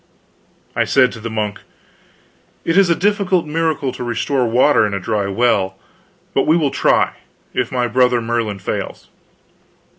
I said to the monk: "It is a difficult miracle to restore water in a dry well, but we will try, if my brother Merlin fails.